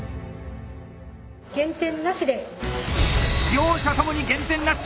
両者ともに減点なし！